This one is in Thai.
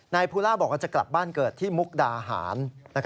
ภูล่าบอกว่าจะกลับบ้านเกิดที่มุกดาหาร